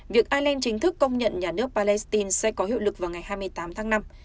việc ireland chính thức công nhận nhà nước palestine sẽ có hiệu lực vào ngày hai mươi tám tháng năm